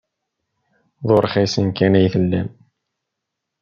D urxisen kan ay tellam.